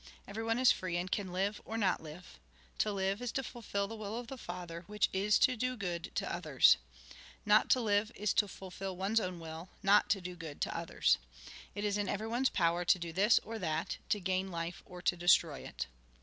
Everyone is free, and can live, or not live. To live, is to fulfil the will of the Father, which is to do good to others. Not to live, is to fulfil one's own will, not to do good to others. It is in everyone's power to do this, or that ; to gain life, or to destroy it.